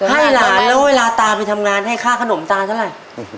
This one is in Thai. ให้หลานแล้วเวลาตาไปทำงานให้ค่าขนมตาเท่าไหร่